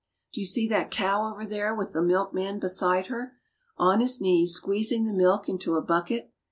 Do you see that cow over there with the milkman be side her, on his knees, squeezing the milk into a bucket?